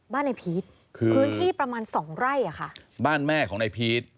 บ้านนายพีชพื้นที่ประมาณสองไร่ค่ะบ้านแม่ของนายพีช